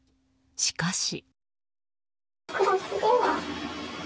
しかし。